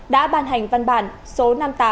đã ban hành văn bản số năm nghìn tám trăm bảy mươi tám